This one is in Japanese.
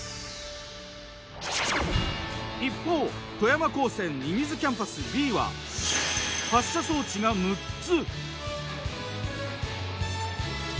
一方富山高専射水キャンパスＢは発射装置が６つ。